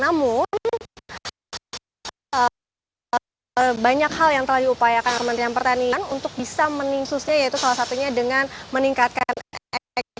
namun banyak hal yang telah diupayakan kementerian pertanian untuk bisa meningsusnya yaitu salah satunya dengan meningkatkan ekonomi